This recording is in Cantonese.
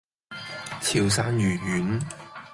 潮汕魚丸